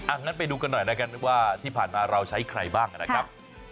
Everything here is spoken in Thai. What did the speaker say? งั้นไปดูกันหน่อยนะครับว่าที่ผ่านมาเราใช้ใครบ้างนะครับ